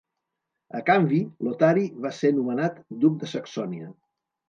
A canvi, Lotari va ser nomenat Duc de Saxònia.